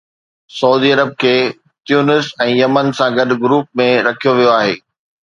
سعودي عرب کي تيونس ۽ يمن سان گڏ گروپ ۾ رکيو ويو آهي